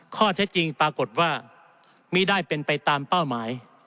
ข้อเท็จจริงปรากฏว่าไม่ได้เป็นไปตามเป้าหมาย